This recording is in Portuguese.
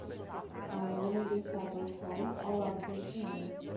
Há um homem deitado ao sol ao lado do oceano.